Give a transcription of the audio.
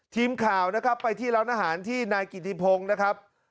ทีมข่าวนะครับไปที่ร้านอาหารที่นายกิติพงศ์นะครับ